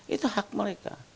itu hak mereka